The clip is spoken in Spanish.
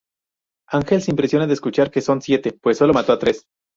Ángel se impresiona de escuchar que son siete, pues solo mató a tres.